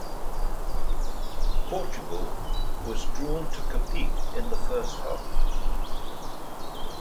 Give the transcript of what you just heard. Portugal was drawn to compete in the first half.